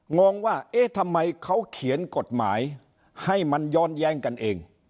งงว่าเอ๊ะทำไมเขาเขียนกฎหมายให้มันย้อนแย้งกันเอง